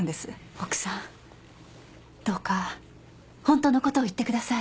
奥さんどうか本当のことを言ってください。